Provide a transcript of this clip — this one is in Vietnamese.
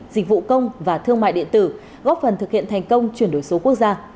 dịch vụ công và thương mại điện tử góp phần thực hiện thành công chuyển đổi số quốc gia